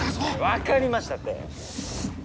分かりましたって。